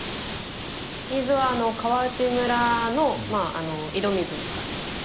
水は川内村の井戸水を使ってます。